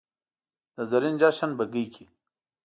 د زرین جشن بګۍ کې